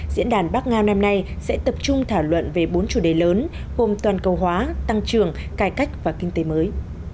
diễn đàn bắc ngao năm nay sẽ tập trung thảo luận về bốn chủ đề lớn gồm toàn cầu hóa tăng trưởng cải cách và kinh tế mới